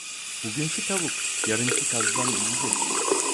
Bugünkü tavuk yarınki kazdan iyidir.